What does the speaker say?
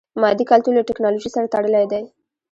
مادي کلتور له ټکنالوژي سره تړلی دی.